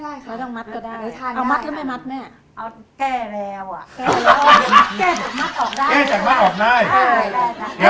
น่าจะเพราะว่าวันนี้จ๊ะจ๋ากับคุณแม่ก็